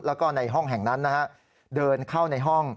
แล้วก็ในห้องแห่งนั้นนะฮะเดินเข้าในห้อง